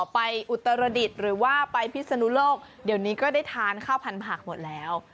อุตรดิษฐ์หรือว่าไปพิศนุโลกเดี๋ยวนี้ก็ได้ทานข้าวพันผักหมดแล้ว